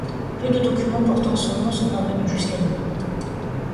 Peu de document portant son nom sont parvenus jusqu'à nous.